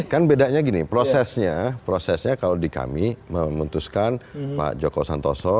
kan bedanya gini prosesnya prosesnya kalau di kami memutuskan pak joko santoso